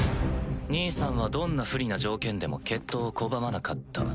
兄さんはどんな不利な条件でも決闘を拒まなかった。